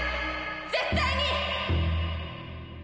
絶対に！